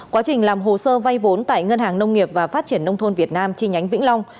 quá trình làm hồ sơ vay vốn tại ngân hàng nông nghiệp và phát triển nông thôn việt nam chi nhánh vĩnh long